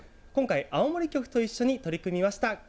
今回、青森局と一緒に取り組みました。